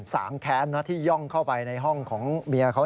สางแค้นที่ย่องเข้าไปในห้องของเมียเขา